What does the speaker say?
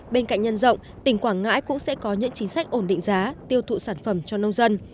bên cạnh nhân rộng tỉnh quảng ngãi cũng sẽ có những chính sách ổn định giá tiêu thụ sản phẩm cho nông dân